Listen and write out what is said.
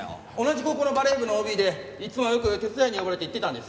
同じ高校のバレー部のＯＢでいつもよく手伝いに呼ばれて行ってたんです。